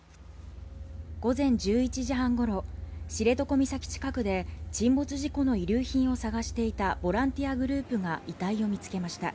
午前１１時半ごろ、知床岬近くで沈没事故の遺留品を探していたボランティアグループが遺体を見つけました。